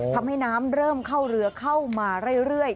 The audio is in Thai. ทำให้น้ำเริ่มเข้าเรือเข้ามาเรื่อย